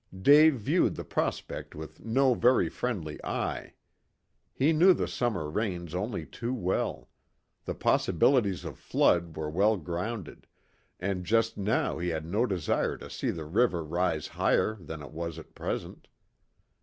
Dave viewed the prospect with no very friendly eye. He knew the summer rains only too well; the possibilities of flood were well grounded, and just now he had no desire to see the river rise higher than it was at present.